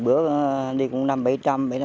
không được cũng ký anh vậy